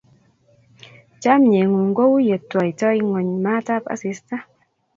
Chomye ng'ung' kou yetwaitoi ng'ony maat ap asista.